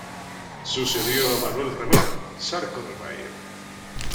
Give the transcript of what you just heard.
Sucedió a Manuel Remón Zarco del Valle.